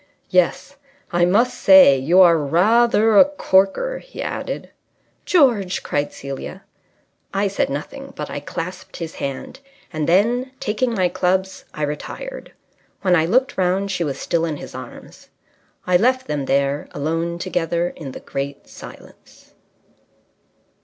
"Yes, I must say you are rather a corker," he added. "George!" cried Celia. I said nothing, but I clasped his hand; and then, taking my clubs, I retired. When I looked round she was still in his arms. I left them there, alone together in the great silence.